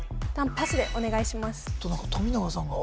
パスでお願いします